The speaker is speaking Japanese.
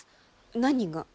何が？